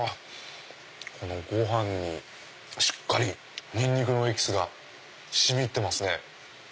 ご飯にしっかりニンニクのエキスが染み入ってますね。